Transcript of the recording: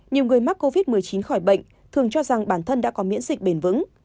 nhiều người mắc covid một mươi chín khỏi bệnh thường cho rằng bản thân đã có miễn dịch bền vững